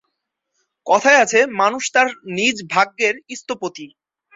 কথায় আছে মানুষ তার নিজ ভাগ্যের স্থপতি।